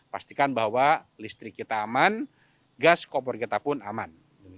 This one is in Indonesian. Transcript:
pastikan bahwa listrik kita aman gas kompor kita pun aman